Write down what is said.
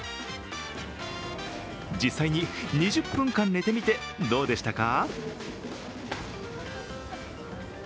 実際に２０分間寝てみてどうでしたか？